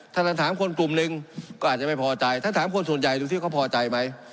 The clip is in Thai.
ถ้าท่านถามคนกลุ่มหนึ่งก็อาจจะไม่พอใจถ้าถามคนส่วนใหญ่ดูสิเขาพอใจไหม